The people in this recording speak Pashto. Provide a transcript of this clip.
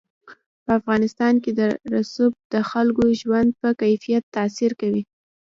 په افغانستان کې رسوب د خلکو د ژوند په کیفیت تاثیر کوي.